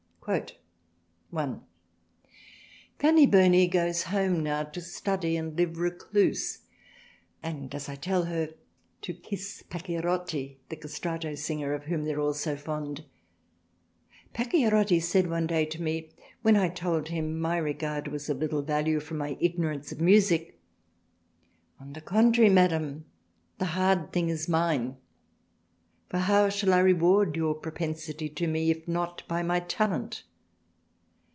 " (i) Fanny Burney goes home now to study and live recluse and as I tell her to kiss Pacchierotti, The Castrato Singer, of whom they are all so fond. Pacchierotti said one day to me when I told him my Regard was of little value from my Ignorance of Musick. On the Contrary Madam the hard thing is mine for how shall I reward your Propensity to me if not by my Talent.